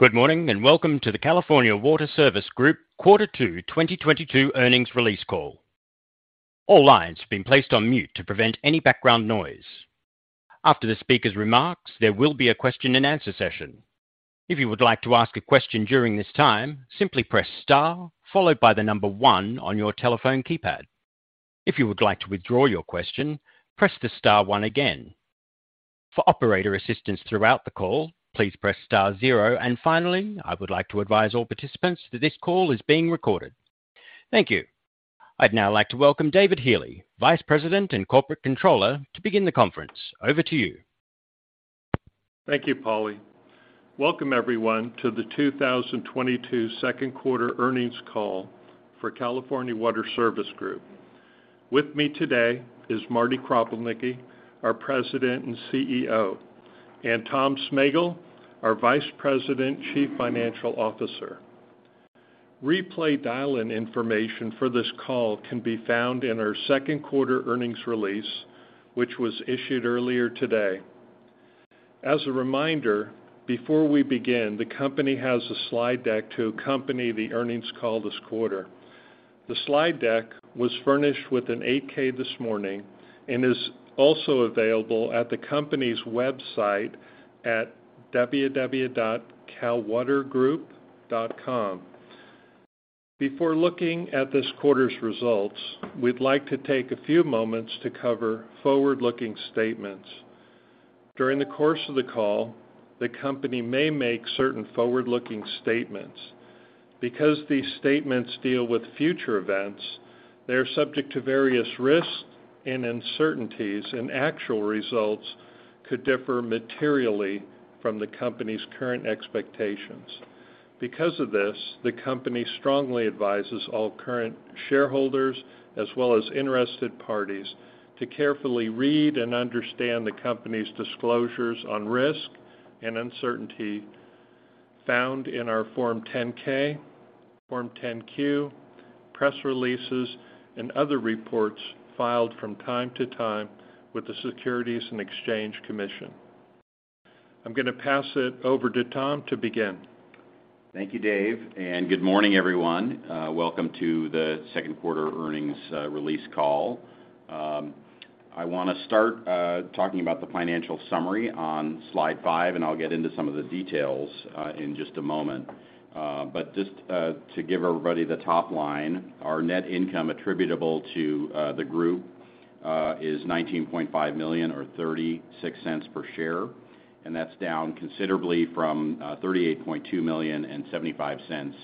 Good morning, and welcome to the California Water Service Group Quarter two 2022 earnings release call. All lines have been placed on mute to prevent any background noise. After the speaker's remarks, there will be a question-and-answer session. If you would like to ask a question during this time, simply press star followed by the number one on your telephone keypad. If you would like to withdraw your question, press the star one again. For operator assistance throughout the call, please press star zero. Finally, I would like to advise all participants that this call is being recorded. Thank you. I'd now like to welcome David B. Healey, Vice President and Corporate Controller, to begin the conference. Over to you. Thank you, Paul. Welcome everyone to the 2022 second quarter earnings call for California Water Service Group. With me today is Marty Kropelnicki, our President and CEO, and Tom Smegal, our Vice President, Chief Financial Officer. Replay dial-in information for this call can be found in our second quarter earnings release, which was issued earlier today. As a reminder, before we begin, the company has a slide deck to accompany the earnings call this quarter. The slide deck was furnished with an 8-K this morning and is also available at the company's website at www.calwatergroup.com. Before looking at this quarter's results, we'd like to take a few moments to cover forward-looking statements. During the course of the call, the company may make certain forward-looking statements. Because these statements deal with future events, they are subject to various risks and uncertainties, and actual results could differ materially from the company's current expectations. Because of this, the company strongly advises all current shareholders as well as interested parties to carefully read and understand the company's disclosures on risk and uncertainty found in our Form 10-K, Form 10-Q, press releases, and other reports filed from time to time with the Securities and Exchange Commission. I'm gonna pass it over to Tom to begin. Thank you, Dave, and good morning, everyone. Welcome to the second quarter earnings release call. I wanna start talking about the financial summary on slide five, and I'll get into some of the details in just a moment. Just to give everybody the top line, our net income attributable to the group is $19.5 million or $0.36 per share, and that's down considerably from $38.2 million and $0.75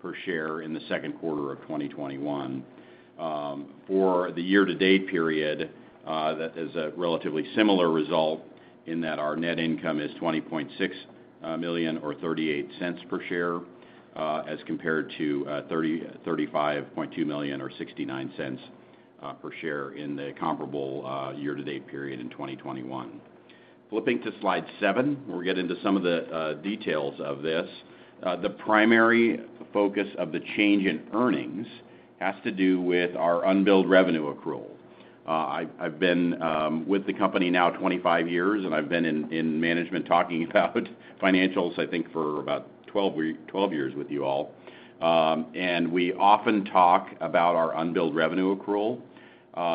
per share in the second quarter of 2021. For the year-to-date period, that is a relatively similar result in that our net income is $20.6 million or $0.38 per share, as compared to $35.2 million or $0.69 per share in the comparable year-to-date period in 2021. Flipping to slide seven, we'll get into some of the details of this. The primary focus of the change in earnings has to do with our unbilled revenue accrual. I've been with the company now 25 years, and I've been in management talking about financials, I think, for about 12 years with you all. We often talk about our unbilled revenue accrual.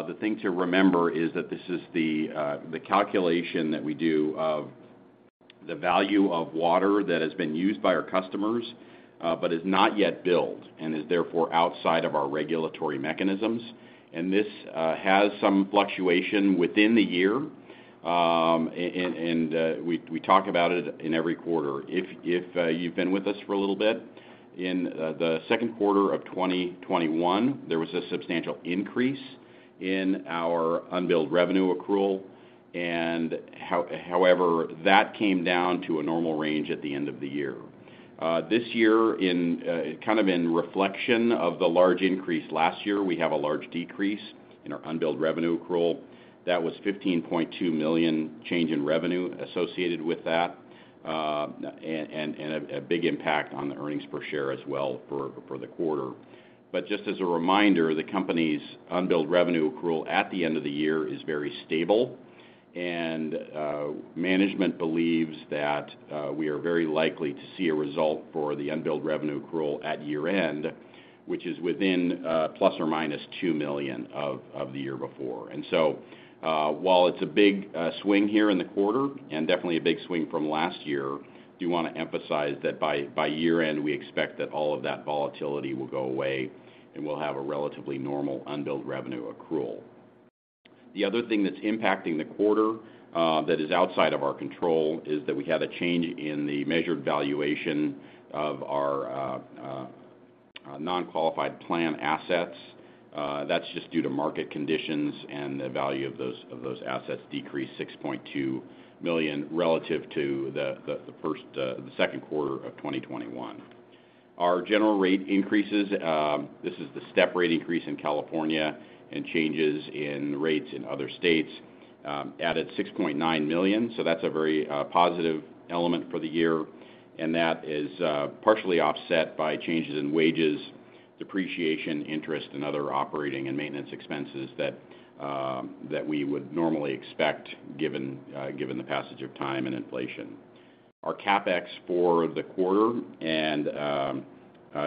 The thing to remember is that this is the calculation that we do of the value of water that has been used by our customers, but is not yet billed and is therefore outside of our regulatory mechanisms. This has some fluctuation within the year, and we talk about it in every quarter. If you've been with us for a little bit, in the second quarter of 2021, there was a substantial increase in our unbilled revenue accrual, and however, that came down to a normal range at the end of the year. This year, in kind of in reflection of the large increase last year, we have a large decrease in our unbilled revenue accrual. That was $15.2 million change in revenue associated with that, and a big impact on the earnings per share as well for the quarter. Just as a reminder, the company's unbilled revenue accrual at the end of the year is very stable, and management believes that we are very likely to see a result for the unbilled revenue accrual at year-end, which is within ±$2 million of the year before. While it's a big swing here in the quarter and definitely a big swing from last year, I do wanna emphasize that by year-end, we expect that all of that volatility will go away, and we'll have a relatively normal unbilled revenue accrual. The other thing that's impacting the quarter that is outside of our control is that we had a change in the measured valuation of our non-qualified plan assets. That's just due to market conditions and the value of those assets decreased $6.2 million relative to the second quarter of 2021. Our general rate increases, this is the step rate increase in California and changes in rates in other states, added $6.9 million, so that's a very positive element for the year. That is partially offset by changes in wages, depreciation, interest, and other operating and maintenance expenses that we would normally expect given the passage of time and inflation. Our CapEx for the quarter and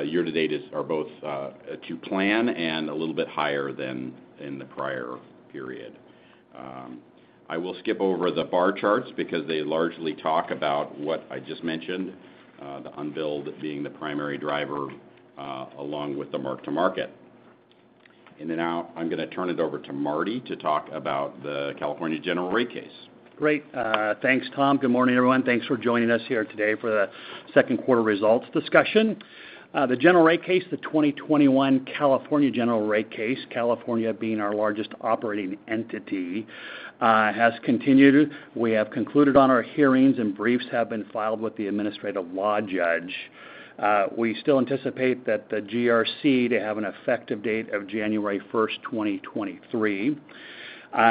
year-to-date are both to plan and a little bit higher than in the prior period. I will skip over the bar charts because they largely talk about what I just mentioned, the unbilled being the primary driver, along with the mark-to-market. Now I'm gonna turn it over to Marty to talk about the California general rate case. Great. Thanks, Tom. Good morning, everyone. Thanks for joining us here today for the second quarter results discussion. The general rate case, the 2021 California general rate case, California being our largest operating entity, has continued. We have concluded on our hearings and briefs have been filed with the administrative law judge. We still anticipate that the GRC to have an effective date of January 1st, 2023.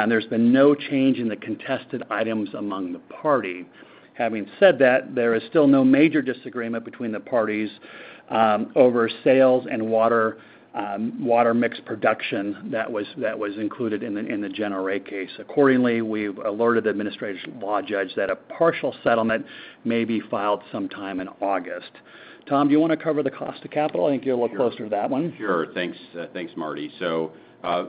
There's been no change in the contested items among the party. Having said that, there is still no major disagreement between the parties over sales and water water mix production that was included in the general rate case. Accordingly, we've alerted the administrative law judge that a partial settlement may be filed sometime in August. Tom, do you want to cover the cost of capital? I think you're a little closer to that one. Sure. Thanks. Thanks, Marty.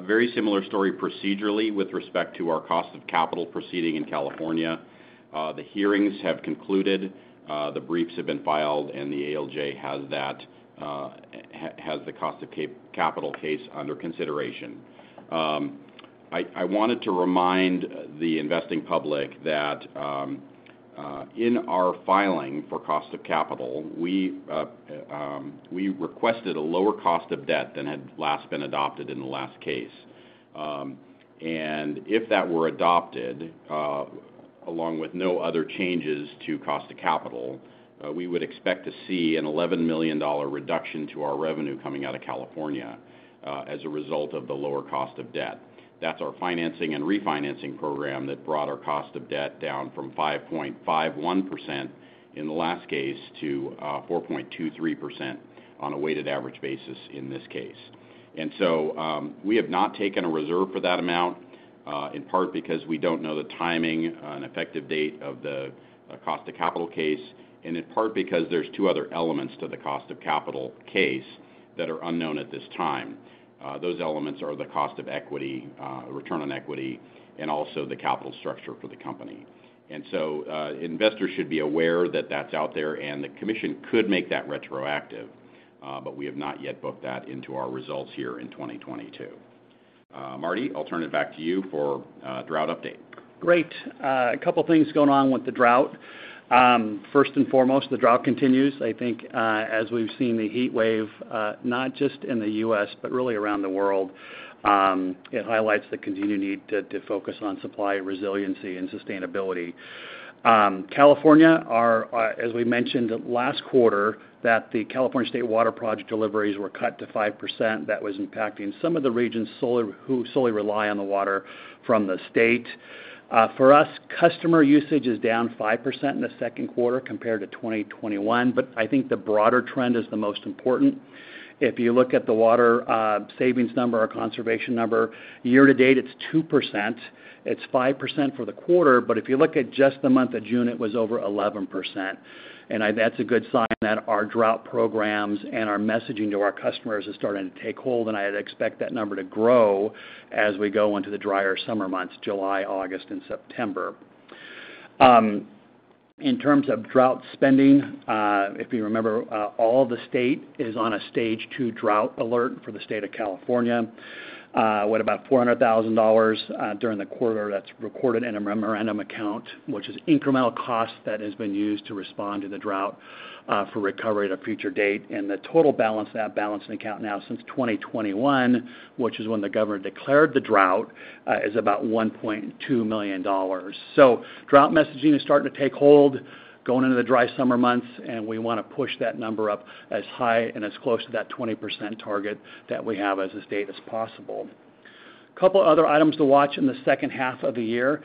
Very similar story procedurally with respect to our cost of capital proceeding in California. The hearings have concluded, the briefs have been filed, and the ALJ has the cost of capital case under consideration. I wanted to remind the investing public that, in our filing for cost of capital, we requested a lower cost of debt than had last been adopted in the last case. If that were adopted, along with no other changes to cost of capital, we would expect to see a $11 million reduction to our revenue coming out of California, as a result of the lower cost of debt. That's our financing and refinancing program that brought our cost of debt down from 5.51% in the last case to 4.23% on a weighted average basis in this case. We have not taken a reserve for that amount in part because we don't know the timing on effective date of the cost of capital case, and in part because there's two other elements to the cost of capital case that are unknown at this time. Those elements are the cost of equity, return on equity, and also the capital structure for the company. Investors should be aware that that's out there, and the commission could make that retroactive, but we have not yet booked that into our results here in 2022. Marty, I'll turn it back to you for a drought update. Great. A couple things going on with the drought. First and foremost, the drought continues. I think, as we've seen the heat wave, not just in the U.S., but really around the world, it highlights the continued need to focus on supply resiliency and sustainability. California, as we mentioned last quarter that the California State Water Project deliveries were cut to 5%, that was impacting some of the regions who solely rely on the water from the state. For us, customer usage is down 5% in the second quarter compared to 2021, but I think the broader trend is the most important. If you look at the water savings number or conservation number, year-to-date it's 2%. It's 5% for the quarter, but if you look at just the month of June, it was over 11%. That's a good sign that our drought programs and our messaging to our customers is starting to take hold, and I'd expect that number to grow as we go into the drier summer months, July, August, and September. In terms of drought spending, if you remember, all the state is on a Stage Two drought alert for the state of California. We're at about $400,000 during the quarter that's recorded in a memorandum account, which is incremental cost that has been used to respond to the drought, for recovery at a future date. The total balance of that balancing account now since 2021, which is when the governor declared the drought, is about $1.2 million. Drought messaging is starting to take hold going into the dry summer months, and we wanna push that number up as high and as close to that 20% target that we have as of this date as possible. Couple other items to watch in the second half of the year.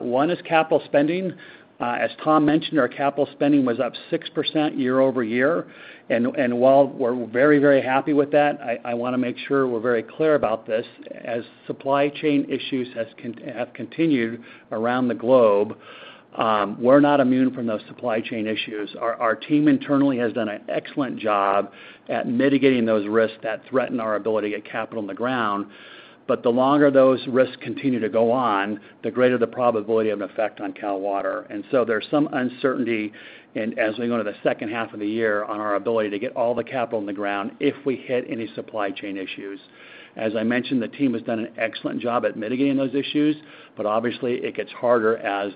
One is capital spending. As Tom mentioned, our capital spending was up 6% year-over-year, and while we're very, very happy with that, I wanna make sure we're very clear about this. As supply chain issues have continued around the globe, we're not immune from those supply chain issues. Our team internally has done an excellent job at mitigating those risks that threaten our ability to get capital in the ground. The longer those risks continue to go on, the greater the probability of an effect on Cal Water. There's some uncertainty as we go to the second half of the year on our ability to get all the capital in the ground if we hit any supply chain issues. As I mentioned, the team has done an excellent job at mitigating those issues, but obviously it gets harder as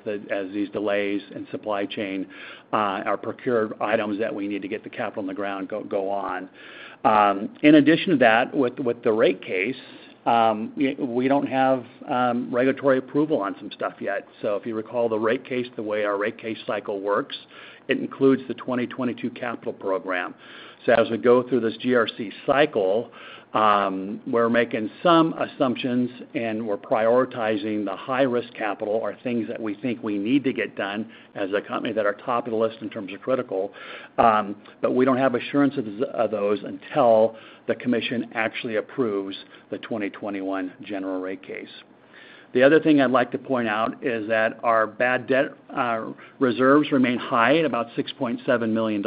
these delays in supply chain, our procured items that we need to get the capital in the ground go on. In addition to that, with the rate case, we don't have regulatory approval on some stuff yet. If you recall the rate case, the way our rate case cycle works. It includes the 2022 capital program. As we go through this GRC cycle, we're making some assumptions and we're prioritizing the high-risk capital or things that we think we need to get done as a company that are top of the list in terms of critical. We don't have assurance of those until the commission actually approves the 2021 general rate case. The other thing I'd like to point out is that our bad debt reserves remain high at about $6.7 million,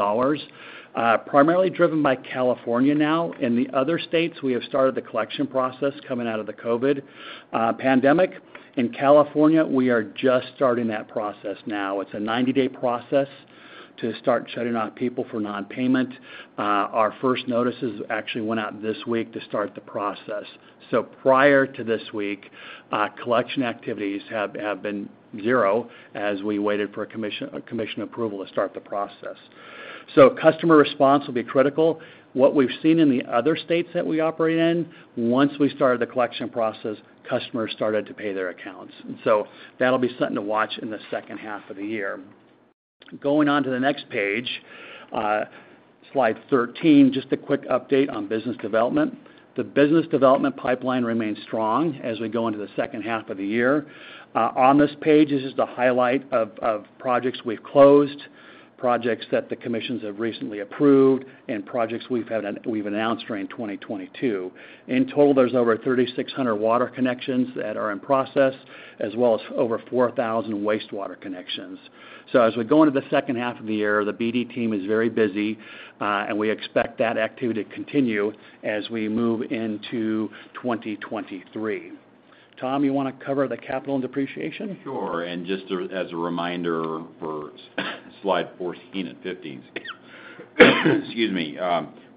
primarily driven by California now. In the other states, we have started the collection process coming out of the COVID pandemic. In California, we are just starting that process now. It's a 90-day process to start shutting off people for non-payment. Our first notices actually went out this week to start the process. Prior to this week, collection activities have been zero as we waited for a commission approval to start the process. Customer response will be critical. What we've seen in the other states that we operate in, once we started the collection process, customers started to pay their accounts. That'll be something to watch in the second half of the year. Going on to the next page, slide 13, just a quick update on business development. The business development pipeline remains strong as we go into the second half of the year. On this page, this is the highlight of projects we've closed, projects that the commissions have recently approved, and projects we've announced during 2022. In total, there's over 3,600 water connections that are in process, as well as over 4,000 wastewater connections. As we go into the second half of the year, the BD team is very busy, and we expect that activity to continue as we move into 2023. Tom, you wanna cover the capital and depreciation? Sure. Just as a reminder for slide 14 and 15. Excuse me.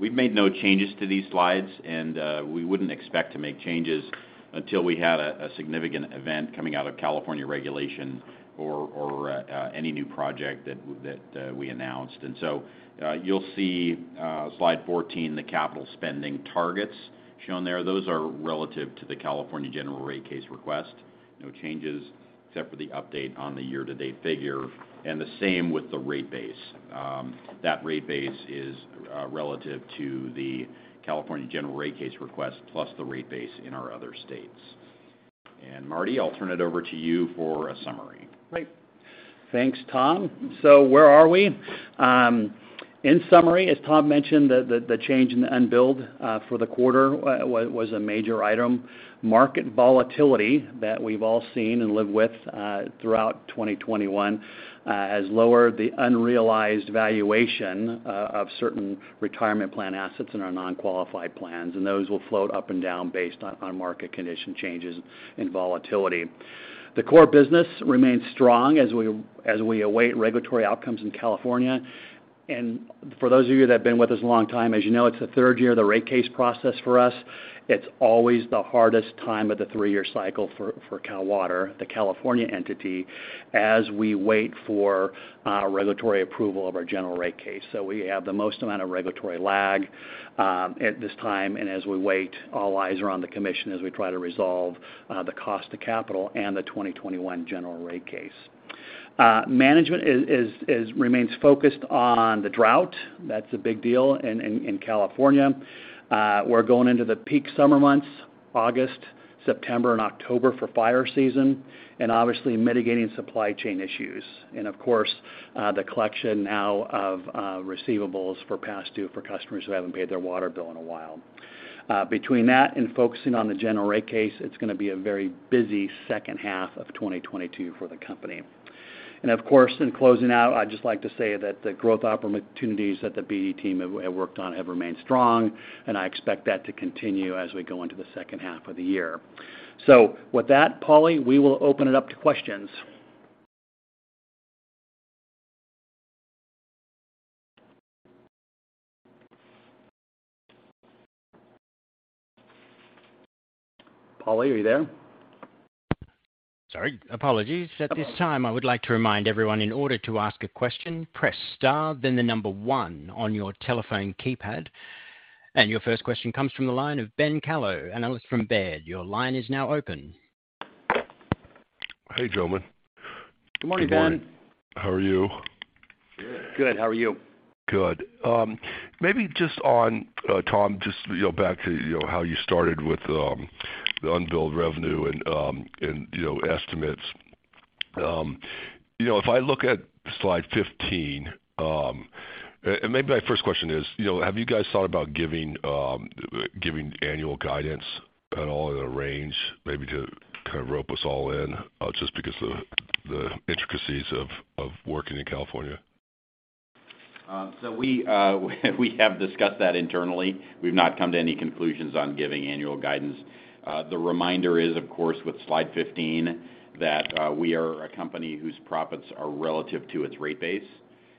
We've made no changes to these slides, and we wouldn't expect to make changes until we had a significant event coming out of California regulatory or any new project that we announced. You'll see slide 14, the capital spending targets shown there. Those are relative to the California general rate case request. No changes except for the update on the year-to-date figure, and the same with the rate base. That rate base is relative to the California general rate case request, plus the rate base in our other states. Marty, I'll turn it over to you for a summary. Great. Thanks, Tom. Where are we? In summary, as Tom mentioned, the change in the unbilled for the quarter was a major item. Market volatility that we've all seen and lived with throughout 2021 has lowered the unrealized valuation of certain retirement plan assets in our non-qualified plans, and those will float up and down based on market condition changes and volatility. The core business remains strong as we await regulatory outcomes in California. For those of you that have been with us a long time, as you know, it's the third year of the rate case process for us. It's always the hardest time of the three-year cycle for Cal Water, the California entity, as we wait for regulatory approval of our general rate case. We have the most amount of regulatory lag at this time. As we wait, all eyes are on the commission as we try to resolve the cost of capital and the 2021 general rate case. Management remains focused on the drought. That's a big deal in California. We're going into the peak summer months, August, September and October for fire season, and obviously mitigating supply chain issues and of course the collection now of past-due receivables for customers who haven't paid their water bill in a while. Between that and focusing on the general rate case, it's gonna be a very busy second half of 2022 for the company. Of course, in closing out, I'd just like to say that the growth opportunities that the BD team have worked on have remained strong, and I expect that to continue as we go into the second half of the year. With that, Paul, we will open it up to questions. Paul, are you there? Sorry. Apologies. No problem. At this time, I would like to remind everyone, in order to ask a question, press star, then the number one on your telephone keypad. Your first question comes from the line of Ben Kallo, analyst from Baird. Your line is now open. Hey, gentlemen. Good morning, Ben. How are you? Good. How are you? Good. Maybe just on, Tom, just, you know, back to, you know, how you started with, the unbilled revenue and, you know, estimates. You know, if I look at slide 15, and maybe my first question is, you know, have you guys thought about giving annual guidance at all in a range maybe to kind of rope us all in, just because the intricacies of working in California? We have discussed that internally. We've not come to any conclusions on giving annual guidance. The reminder is, of course, with slide 15, that we are a company whose profits are relative to its rate base.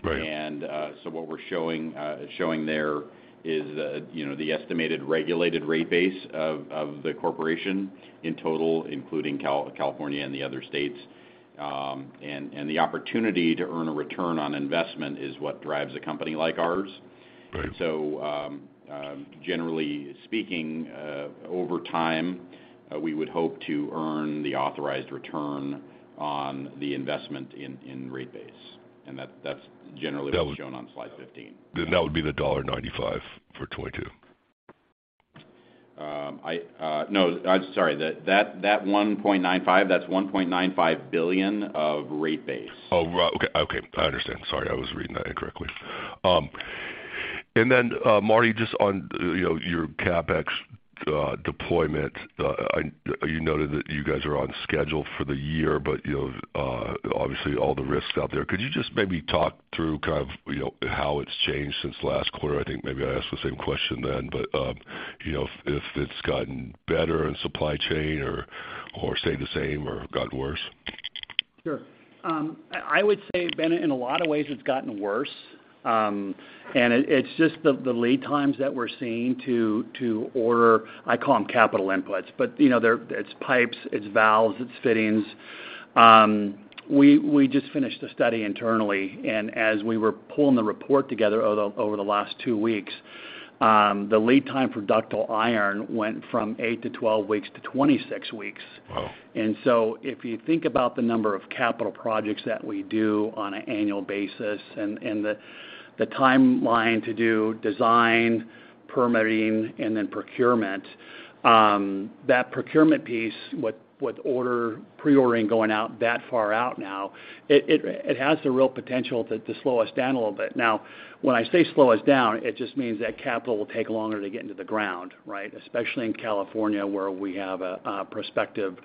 Right. What we're showing there is the, you know, the estimated regulated rate base of the corporation in total, including California and the other states. The opportunity to earn a return on investment is what drives a company like ours. Right. Generally speaking, over time, we would hope to earn the authorized return on the investment in rate base, and that's generally what's shown on slide 15. That would be the $95 for 2022? I'm sorry, that $1.95 billion, that's $1.95 billion of rate base. Oh, right. Okay, I understand. Sorry, I was reading that incorrectly. And then, Marty, just on, you know, your CapEx deployment. You noted that you guys are on schedule for the year, but, you know, obviously all the risks out there. Could you just maybe talk through kind of, you know, how it's changed since last quarter? I think maybe I asked the same question then, but, you know, if it's gotten better in supply chain or stayed the same or gotten worse. Sure. I would say, Ben, in a lot of ways it's gotten worse. It's just the lead times that we're seeing to order. I call them capital inputs, but, you know, it's pipes, it's valves, it's fittings. We just finished a study internally, and as we were pulling the report together over the last two weeks, the lead time for ductile iron went from 8-12 weeks to 26 weeks. Wow. If you think about the number of capital projects that we do on an annual basis and the timeline to do design, permitting, and then procurement, that procurement piece, with pre-ordering going out that far out now, it has the real potential to slow us down a little bit. Now, when I say slow us down, it just means that capital will take longer to get into the ground, right? Especially in California, where we have a prospective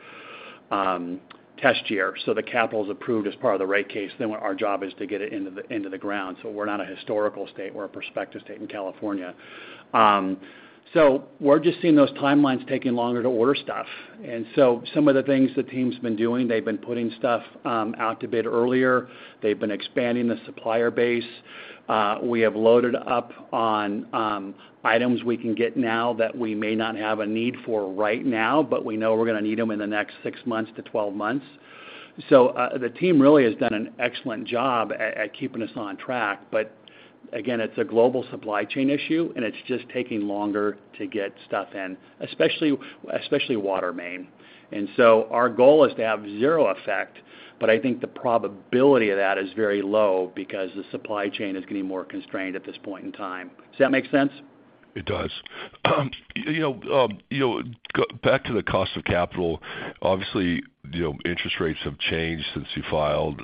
test year. The capital's approved as part of the rate case, then our job is to get it into the ground. We're not a historical state, we're a prospective state in California. We're just seeing those timelines taking longer to order stuff. Some of the things the team's been doing, they've been putting stuff out to bid earlier. They've been expanding the supplier base. We have loaded up on items we can get now that we may not have a need for right now, but we know we're gonna need them in the next six months to 12 months. The team really has done an excellent job at keeping us on track. But again, it's a global supply chain issue, and it's just taking longer to get stuff in, especially water main. Our goal is to have zero effect, but I think the probability of that is very low because the supply chain is getting more constrained at this point in time. Does that make sense? It does. You know, back to the cost of capital, obviously, you know, interest rates have changed since you filed.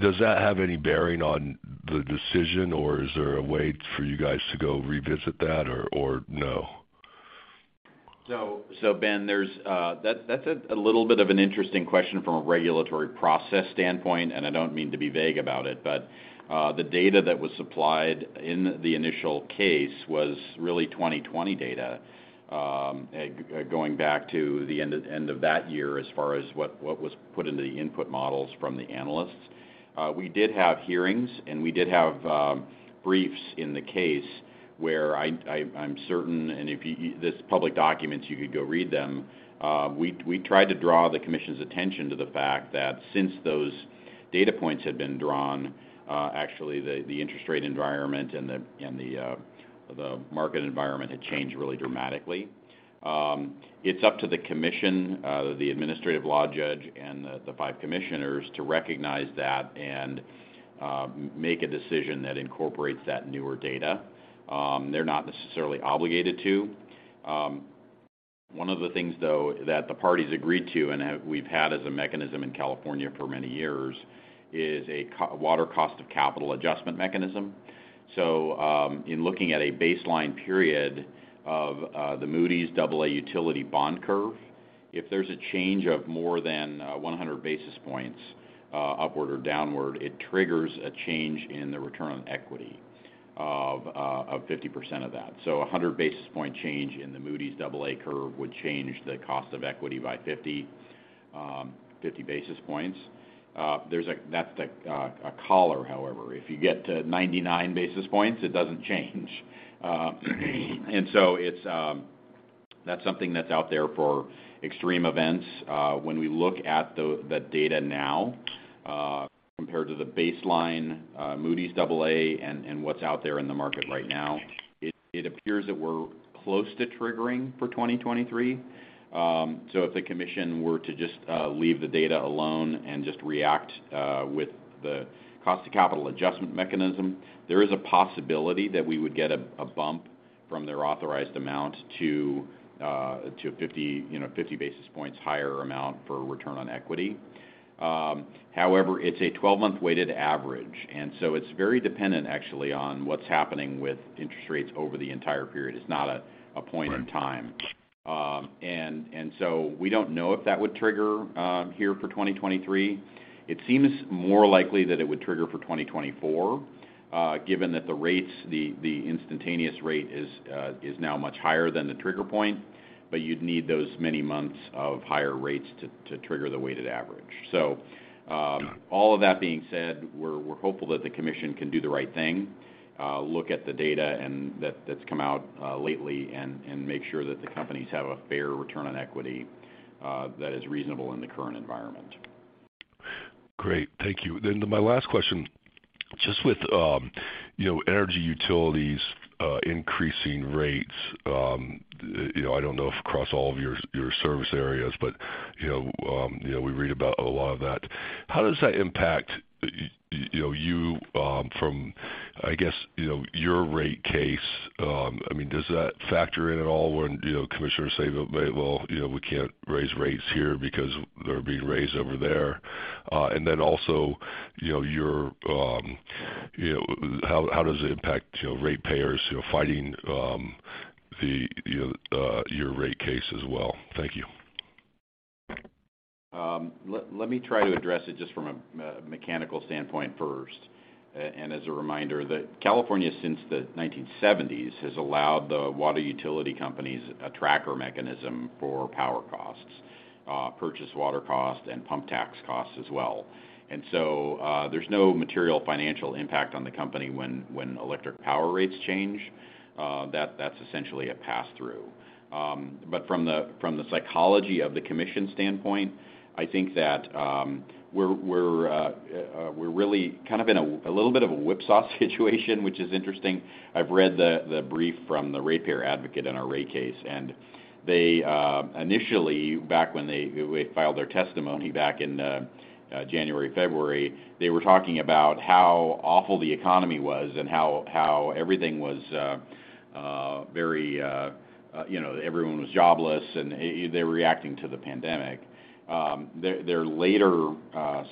Does that have any bearing on the decision, or is there a way for you guys to go revisit that or no? Ben, there's a little bit of an interesting question from a regulatory process standpoint, and I don't mean to be vague about it. The data that was supplied in the initial case was really 2020 data, going back to the end of that year as far as what was put into the input models from the analysts. We did have hearings, and we did have briefs in the case where I'm certain, and this is public documents, you could go read them. We tried to draw the commission's attention to the fact that since those data points had been drawn, actually the interest rate environment and the market environment had changed really dramatically. It's up to the commission, the administrative law judge and the five commissioners to recognize that and make a decision that incorporates that newer data. They're not necessarily obligated to. One of the things, though, that the parties agreed to, and we've had as a mechanism in California for many years, is a water cost of capital adjustment mechanism. In looking at a baseline period of the Moody's Aa utility bond curve, if there's a change of more than 100 basis points upward or downward, it triggers a change in the return on equity of 50% of that. A 100 basis point change in the Moody's Aa curve would change the cost of equity by 50 basis points. That's the collar, however. If you get to 99 basis points, it doesn't change. It's something that's out there for extreme events. When we look at the data now compared to the baseline, Moody's double A and what's out there in the market right now, it appears that we're close to triggering for 2023. If the commission were to just leave the data alone and just react with the cost of capital adjustment mechanism, there is a possibility that we would get a bump from their authorized amount to a 50, you know, 50 basis points higher amount for return on equity. However, it's a 12-month weighted average, and it's very dependent actually on what's happening with interest rates over the entire period. It's not a point in time. We don't know if that would trigger in 2023. It seems more likely that it would trigger in 2024, given that the rates, the instantaneous rate is now much higher than the trigger point, but you'd need those many months of higher rates to trigger the weighted average. All of that being said, we're hopeful that the commission can do the right thing, look at the data that's come out lately and make sure that the companies have a fair return on equity that is reasonable in the current environment. Great. Thank you. To my last question, just with, you know, energy utilities increasing rates. You know, I don't know if across all of your service areas, but, you know, we read about a lot of that. How does that impact, you know, you, from, I guess, you know, your rate case? I mean, does that factor in at all when, you know, commissioners say that, "Well, you know, we can't raise rates here because they're being raised over there." Also, you know, your, you know, how does it impact, you know, ratepayers, you know, fighting your rate case as well? Thank you. Let me try to address it just from a mechanical standpoint first. As a reminder that California, since the 1970s, has allowed the water utility companies a tracker mechanism for power costs, purchase water cost and pump tax costs as well. There's no material financial impact on the company when electric power rates change. That's essentially a pass-through. From the psychology of the commission standpoint, I think that we're really kind of in a little bit of a whipsaw situation, which is interesting. I've read the brief from the ratepayer advocate in our rate case, and they initially, back when they filed their testimony back in January, February, they were talking about how awful the economy was and how everything was very, you know, everyone was jobless and they were reacting to the pandemic. Their later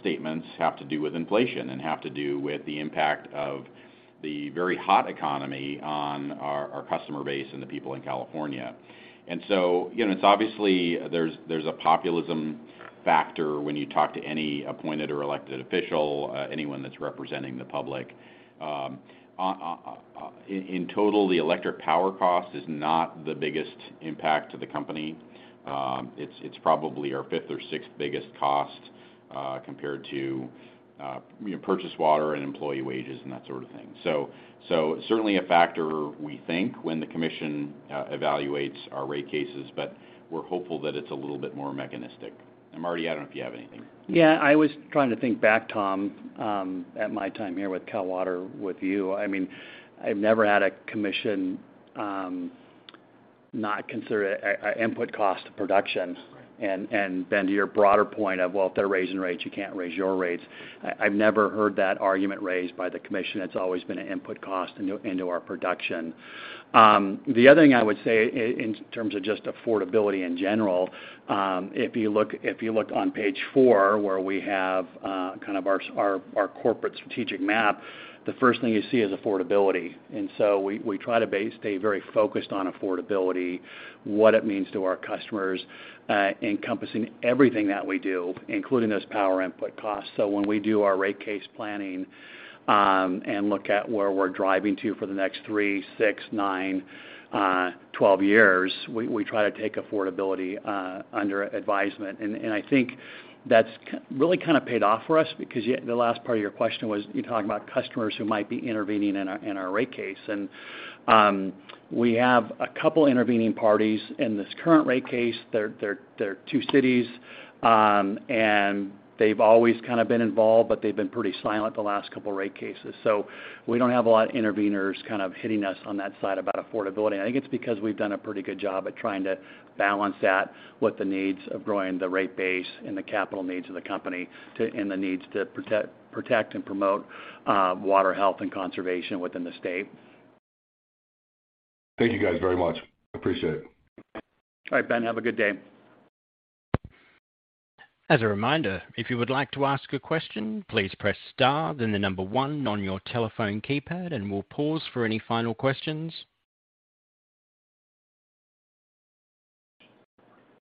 statements have to do with inflation and have to do with the impact of the very hot economy on our customer base and the people in California. You know, it's obviously there's a populism factor when you talk to any appointed or elected official, anyone that's representing the public. In total, the electric power cost is not the biggest impact to the company. It's probably our fifth or sixth biggest cost, compared to you know, purchase water and employee wages and that sort of thing. Certainly a factor, we think, when the commission evaluates our rate cases, but we're hopeful that it's a little bit more mechanistic. Marty, I don't know if you have anything. Yeah, I was trying to think back, Tom, at my time here with Cal Water, with you. I mean, I've never had a commission not consider an input cost of production. Ben, to your broader point of, well, if they're raising rates, you can't raise your rates. I've never heard that argument raised by the commission. It's always been an input cost into our production. The other thing I would say in terms of just affordability in general, if you look on page four, where we have kind of our corporate strategic map, the first thing you see is affordability. We try to stay very focused on affordability, what it means to our customers, encompassing everything that we do, including those power input costs. When we do our rate case planning and look at where we're driving to for the next three, six, nine, 12 years, we try to take affordability under advisement. I think that's really kinda paid off for us because with the last part of your question was you talking about customers who might be intervening in our rate case. We have a couple intervening parties in this current rate case. They're two cities and they've always kind of been involved, but they've been pretty silent the last couple rate cases. We don't have a lot of interveners kind of hitting us on that side about affordability. I think it's because we've done a pretty good job at trying to balance that with the needs of growing the rate base and the capital needs of the company to and the needs to protect and promote water health and conservation within the state. Thank you guys very much. Appreciate it. All right, Ben, have a good day. As a reminder, if you would like to ask a question, please press star then the number one on your telephone keypad, and we'll pause for any final questions.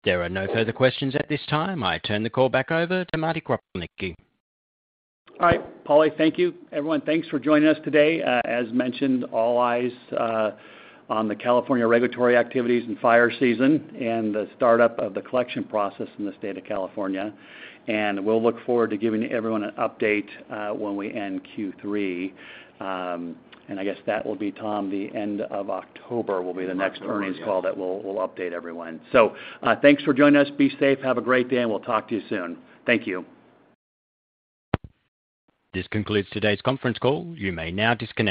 There are no further questions at this time. I turn the call back over to Marty Kropelnicki. All right, Paul. Thank you. Everyone, thanks for joining us today. As mentioned, all eyes on the California regulatory activities and fire season and the startup of the collection process in the state of California. We'll look forward to giving everyone an update when we end Q3. I guess that will be, Tom, the end of October will be. End of October, yeah. The next earnings call that we'll update everyone. Thanks for joining us. Be safe. Have a great day, and we'll talk to you soon. Thank you. This concludes today's conference call. You may now disconnect.